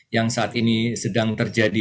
yang saat ini sedang terjadi